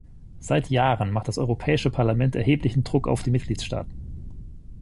Seit Jahren macht das Europäische Parlament erheblichen Druck auf die Mitgliedstaaten.